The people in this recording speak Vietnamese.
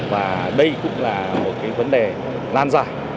và đây cũng là một cái vấn đề nan giải